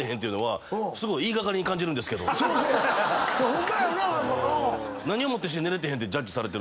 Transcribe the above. ホンマやな。